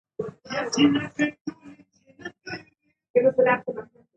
خو په اندازه.